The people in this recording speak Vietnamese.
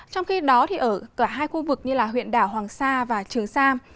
trong khi đó ở cả hai khu vực như huyện đảo hoàng sa và trường sa